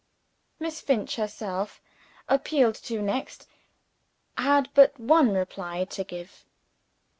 Miss Finch herself, appealed to next: Had but one reply to give.